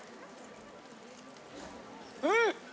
うん。